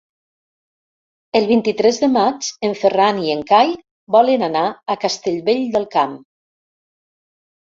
El vint-i-tres de maig en Ferran i en Cai volen anar a Castellvell del Camp.